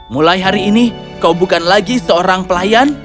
mulai hari ini kau bukan lagi seorang pelayan